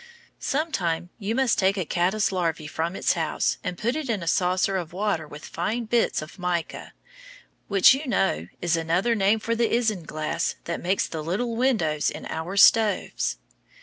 Sometime you must take a caddice larva from its house and put it in a saucer of water with fine bits of mica, which you know is another name for the isinglass that makes the little windows in our stoves.